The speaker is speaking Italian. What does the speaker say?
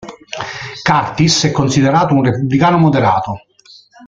Curtis è considerato un repubblicano moderato.